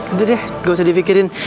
itu deh gak usah dipikirin